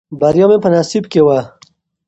بریا مې په نصیب کې وه.